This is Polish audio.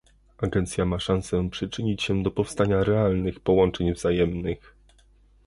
Agencja ma szansę przyczynić się do powstania realnych połączeń wzajemnych